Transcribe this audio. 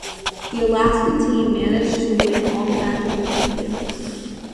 The Alaskan team managed to win all matches they competed in.